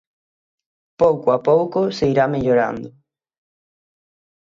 Pouco a pouco se irá mellorando.